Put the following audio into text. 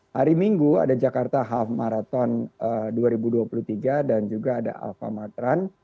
hari minggu ada jakarta half marathon dua ribu dua puluh tiga dan juga ada alfa matran